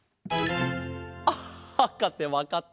あっはかせわかった！